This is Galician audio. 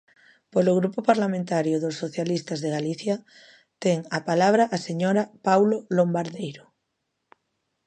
Polo Grupo Parlamentario dos Socialistas de Galicia, ten a palabra a señora Paulo Lombardeiro.